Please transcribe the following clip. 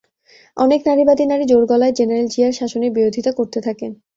অনেক নারীবাদী নারী জোর গলায় জেনারেল জিয়ার শাসনের বিরোধিতা করতে থাকেন।